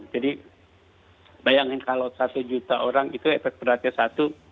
jadi bayangin kalau satu juta orang itu efek beratnya satu